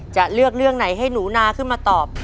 จะเลือกเรื่องไหนให้หนูนาขึ้นมาตอบ